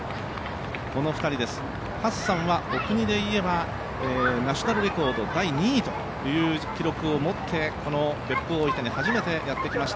この２人です、ハッサンはお国でいえば、ナショナルレコード第２位という記録を持って、この別府大分に初めてやってきました。